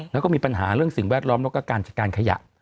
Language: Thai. แล้วก็มีปัญหาเรื่องสิ่งแวดล้อมแล้วก็การจัดการขยะ